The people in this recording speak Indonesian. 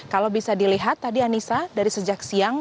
kalau bisa dilihat tadi anissa dari sejak siang